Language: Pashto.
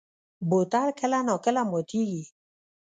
بوتل کله نا کله ماتېږي.